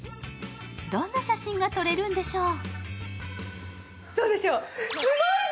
どんな写真が撮れるんでしょう。